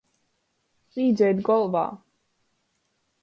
Īdzeit golvā.